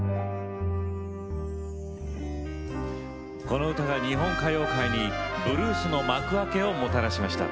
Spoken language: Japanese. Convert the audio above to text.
この歌が、日本歌謡界にブルースの幕開けをもたらしました。